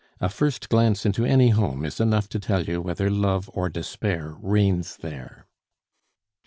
A first glance into any home is enough to tell you whether love or despair reigns there.